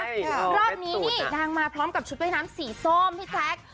ใช่รอบนี้นี่ดังมาพร้อมกับชุดวิมิติสีโซม